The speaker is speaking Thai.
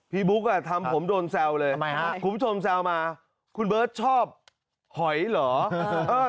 พี่บุ๊คท่านทำผมโดนแซลเลยขุมชมแซลมาคุณเบิ้ลท์ชอบอยหรือ